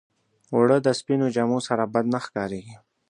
اوړه د سپينو جامو سره بد نه ښکارېږي